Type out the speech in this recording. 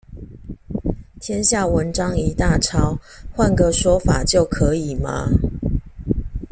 天下文章一大抄，換個說法就可以嗎？